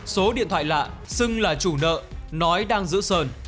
số điện thoại lạ xưng là chủ nợ nói đang giữ sơn